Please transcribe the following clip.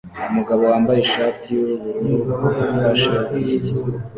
Umugabo wambaye ishati yubururu ufashe urunigi